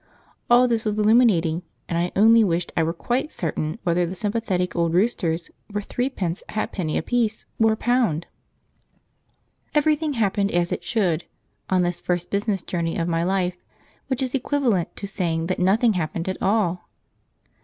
All this was illuminating, and I only wished I were quite certain whether the sympathetic old roosters were threepence ha'penny apiece, or a pound. {The gadabout hen: p105.jpg} Everything happened as it should, on this first business journey of my life, which is equivalent to saying that nothing happened at all.